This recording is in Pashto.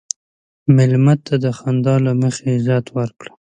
مېلمه ته د خندا له مخې عزت ورکړه.